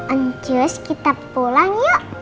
onjus kita pulang yuk